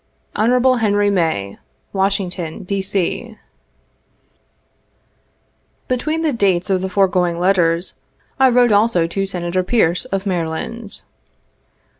" Hon. Henry May, Washington, D. C" 70 Between the dates of the foregoing letters, I wrote also to Senator Pearce, of Maryland.